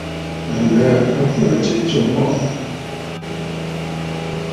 Aləə a bə aa tsiꞌì tsǒ mɔꞌɔ.